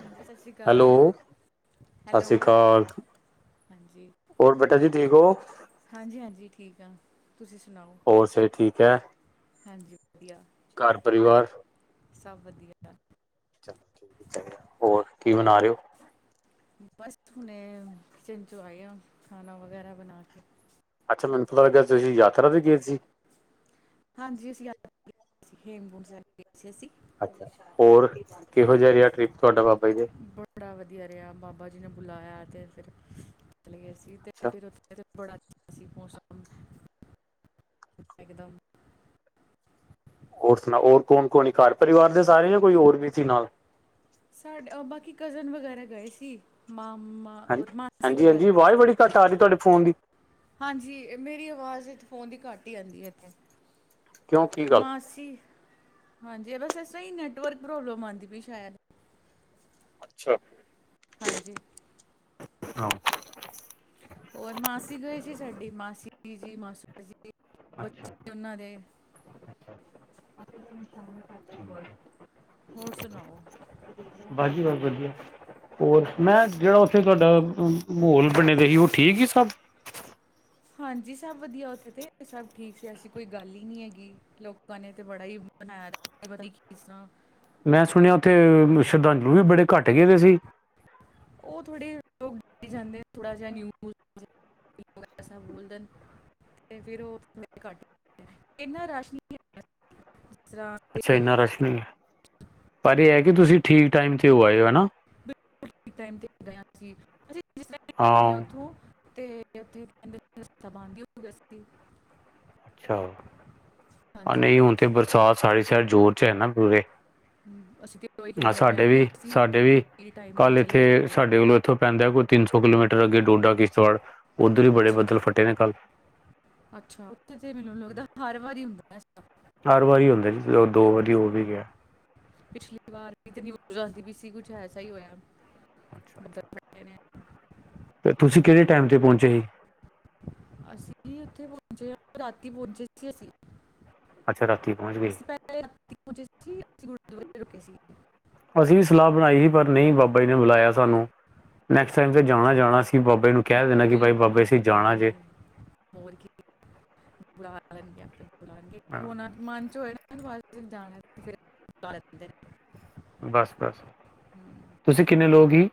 ਹਾਂਜੀ ਸਸੀ ਹੈਲੋ, ਸਸੀ ਕਾਲ। ਹੋਰ ਬੇਟਾ ਜੀ ਠੀਕ ਔ? ਹਾਂਜੀ-ਹਾਂਜੀ ਠੀਕ ਆ ਤੁਸੀਂ ਸੁਣਾਓ? ਹੋਰ ਸਿਹਤ ਠੀਕ ਐ? ਹਾਂਜੀ ਵਧੀਆ। ਘਰ ਪਰਿਵਾਰ ਸਭ ਵਧੀਆ। ਚਲੋਂ ਠੀ ਕੀ ਤਾਂ ਹੁੰਦਾ ਹੋਰ ਕਿ ਬਣਾ ਰੇ ਔ? ਬਸ ਹੁਣੇ ਕਿਚਨ ਚੌ ਆਏ ਆ ਖਾਣਾ ਵਗੈਰਾ ਬਣਾ ਕੇ। ਅੱਛਾ ਮਤਲਬ ਜਦ ਤੁਸੀਂ ਯਾਤਰਾ ਤੇ ਗਏ ਸੀ? ਹਾਂਜੀ, ਅਸੀਂ ਯਾਤ ਗੇ, ਹੇਮਕੁੰਟ ਸਾਬ ਗੇ ਸੀ ਅਸੀਂ। ਅੱਛਾ। ਹੋਰ ਕਿਹੋ ਜਿਹਾ ਰਿਆ ਟ੍ਰਿਪ ਤੁਹਾਡਾ ਬਾਬਾ ਜੀ ਦੇ? ਬੜਾ ਵਧੀਆ ਰਿਹਾ ਬਾਬਾ ਜੀ ਨੇ ਬੁਲਾਇਆ ਤੇ ਫਿਰ ਚਲੇ ਗੇ ਸੀ ਤੇ ਅੱਛਾ ਫਿਰ ਔ ਥੇ ਤੇ ਬੜਾ ਸੀ ਮੌਸਮ ਇਕਦਮ ਹੋਰ ਸੁਣਾ ਹੋਰ ਕੌਣ-ਕੌਣ ਘਰ ਪਰਿਵਾਰ ਦੇ ਸਾਰੇ ਨੇ ਕੋਈ ਹੋਰ ਵੀ ਸੀ ਨਾਲ? ਸਾਡੇ ਅ ਬਾਕੀ ਕਜ਼ਨ ਵਗੈਰਾ ਗਏ ਸੀ। ਮਾ -ਮਾ ਆ ਹਾਂ ਔਰ ਮਾਸੀ ਹਾਂਜੀ ਵਗੈਰਾ ਹਾਂਜੀ ਗਏ ਸੀ। ਆਵਾਜ਼ ਬੜੀ ਘੱਟ ਆ ਰਹੀ ਤੁਹਾਡੇ ਫੋਨ ਦੀ। ਹਾਂਜੀ ਮੇਰੀ ਆਵਾਜ਼ ਚ ਫੋਨ ਦੀ ਘੱਟ ਈ ਆਂਦੀ ਏ ਇੱਥੇ। ਕਿਉਂ ਕੀ ਗੱਲ? ਮਾਸੀ ਹਾਂਜੀ ਬਸ ਵੈਸੇ ਸਈ ਨੈਟਵਰਕ ਪ੍ਰੋਬਲਮ ਆਂਦੀ ਪਈ ਸ਼ੈਦ। ਅੱਛਾ। ਹਾਂਜੀ। ਹਾਂ ਹੋਰ ਮਾਸੀ ਗਏ ਸੀ ਸਾਡੀ, ਮਾਸੀ ਜੀ ਮਾਸੜ ਜੀ ਅੱਛਾ ਬੱਚੇ ਔਹਨਾਂ ਦੇ। [inaudible] ਹੋਰ ਸੁਣਾਓ। ਬਾਸ ਜੀ ਬਸ ਵਧੀਆ। ਹੋਰ, ਮੈਂ ਜਿਹੜਾ ਔਥੇ ਤੁਹਾਡਾ ਮਾਹੌਲ ਬਣੇ ਦਾ ਸੀ ਔਹ ਠੀਕ ਹੀ ਸਭ। ਹਾਂਜੀ ਸਭ ਵਧੀਆ ਔਥੇ ਤੇ ਸਭ ਠੀਕ ਸੀ ਐਸੀ ਕੋਈ ਗੱਲ ਈ ਨੀ ਹੈਗੀ ਲੋਕਾਂ ਨੇ ਤੇ ਬੜਾ ਈ ਬਣਾਇਆ ਏ ਪਤਾ ਨੀ ਕਿਸ ਤਰਾਂ ਮੈਂ ਸੁਣਿਆ ਔਥੇ ਸ਼ਰਧਾਂਜਲੂ ਵੀ ਬੜੇ ਘੱਟ ਗਏ ਵੇ ਸੀ। ਔ ਥੋੜੇ ਲੋਕ ਬੋਲੀ ਜਾਂਦੇ ਥੋੜਾ ਜਿਹਾ ਨਿਊਜ਼ ਐਸਾ ਬੋਲ ਦੇਣ। ਤੇ ਫਿਰ ਉਹ ਸਮ ਘੱਟ ਇੰਨਾ ਰਸ਼ ਨੀ ਹੈ ਜਿਸ ਤਰ੍ਹਾਂ ਅੱਛਾ ਤੇ ਇੰਨਾ ਰਸ਼ ਨਈ, ਪਰ ਇਹ ਹੈ ਕਿ ਤੁਸੀਂ ਠੀਕ ਟਾਈਮ 'ਤੇ ਹੋ ਆਏ ਹਨਾ। ਟੇਮ ਤੇ ਗਏ ਸੀ ਅਸੀਂ ਜਿਸ ਟੇਮ ਗੇ ਆ ਹਾਂ ਔਥੋਂ ਤੇ ਉੱਥੇ ਕਹਿ ਦੇ ਰਸਤਾ ਬੰਦ ਈ ਹੋ ਗਿਆ ਸੀ। ਅੱਛਾ, ਹਾਂ ਹਾਂਜੀ ਨਈ ਹੁਣ ਤੇ ਬਰਸਾਤ ਸਾਰੀ ਸੇਡ ਜੋਰ 'ਚ ਐ ਨਾ ਪੂਰੇ। ਹਮ, ਅਸੀਂ ਤੇ ਉਹੀ ਆਹ ਕਹਿੰਦੇ ਪਿਆ ਸਾਡੇ ਕਿ ਵੀ ਅਸੀਂ ਸਾਡੇ ਵੀ ਇਹ ਟਾਈਮ ਤੇ ਕੱਲ੍ਹ ਇੱਥੇ ਚਲੇ ਗਏ ਸਾਡੇ ਵਲੋਂ ਇ ਥੋਂ ਪੈਂਦਾ ਕੋਈ ਤਿੰਨ ਸੌ ਕਿਲੋਮੀਟਰ ਅੱਗੇ ਡੋਡਾ ਕਿਤਵਾੜ ਔਧਰ ਵੀ ਬੜੇ ਅੱਛਾ ਬੱਦਲ ਫਟੇ ਨੇ ਕੱਲ। ਅੱਛਾ ਉਥੇ ਤੇ ਮੈਨੂੰ ਲੱਗਦਾ ਹਰ ਵਾਰੀ ਹੁੰਦਾ ਇਸਤਾ ਹਰ ਵਾਰੀ ਹੁੰਦਾ ਜੀ ਜਦੋਂ ਦੋ ਵਾਰੀ ਹੋ ਵੀ ਗਿਆ। ਪਿਛਲੀ ਵਾਰ ਵੀ ਤੇ ਨਯੂਜ਼ ਆਂਦੀ ਪੀ ਸੀ ਕੁਛ ਐਸਾ ਈ ਹੋਏਐ ਬੱਦਲ ਫਟ [unintelligible] ਅਤੇ ਤੁਸੀਂ ਕਿਹੜੇ ਟਾਈਮ 'ਤੇ ਪਹੁੰਚੇ ਜੀ। ਅਸੀਂ ਉੱਥੇ ਪਹੁੰਚੇ ਰਾਤੀ ਪਹੁੰਚੇ ਸੀ ਅਸੀਂ। ਅੱਛਾ ਰਾਤੀ ਪਹੁੰਚ ਗਏ। ਹਚੇਸੀ ਰੁ ਸੀਗੇ। ਅਸੀਂ ਵੀ ਸਲਾਹ ਬਣਾਈ ਸੀ ਪਰ ਨਹੀਂ ਬਾਬਾ ਜੀ ਨੇ ਬੁਲਾਇਆ ਸਾਨੂੰ ਨੈਕਸਟ ਟਾਈਮ ਤੇ ਜਾਣਾ ਜਾਣਾ ਸੀ ਬਾਬੇ ਨੂੰ ਕਹਿ ਦੇਣਾ ਕਿ ਬਾਈ ਬਾਬੇ ਅਸੀਂ ਜਾਣਾ ਜੇ ਓਰ ਕੀ, ਬੁਲਾ ਲੈਨਗੇ ਆਪੇ ਬੁਲਾਨ ਗੇ ਹਾਂ, [unintelligible] ਮਨ ਚ ਓਏ ਨਾ ਜਾ ਫ ਬਸ ਬਸ ਤੁਸੀਂ ਕਿੰਨੇ ਲੋਕ ਹੀ।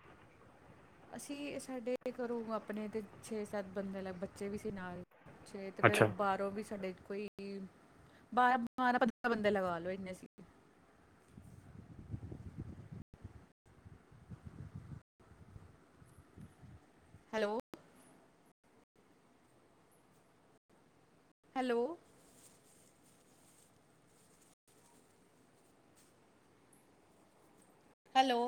ਅਸੀਂ ਸਾਡੇ ਘਰੋਂ ਆਪਣੇ ਤੇ ਛੇ ਸੱਤ ਬੰਦੇ ਲ ਬੱਚੇ ਵੀ ਸੀ ਨਾਲ ੱਛੇ ਤੇ ਫੇਿਰ ਅੱਛਾ ਉਬਾਰੋ ਵੀ ਸਾਡੇ ਕੋਈ ਬਾਰਾਂ ਬਾਰਾਂ ਪੰਦਰਾਂ ਬੰਦੇ ਲਗਾ ਲੋਓ ਇੰਨੇ ਸੀਗੇ। Hello hello hello.